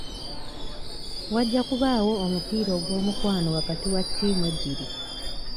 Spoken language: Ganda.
Wajja kubaawo omupiira ogw'omukwano wakati wa ttiimu ebbiri.